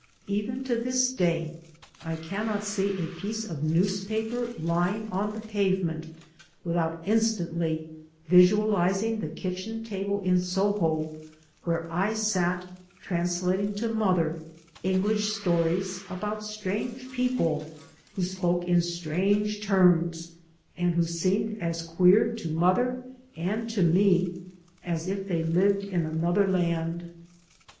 Even to this day I cannot see a piece of newspaper lying on the pavement without instantly vis ualising the kitchen table in Soho where I sat translating to mother English stories about strange people who spoke in strange terms and who seemed as queer to mother and to me as if they lived in another land.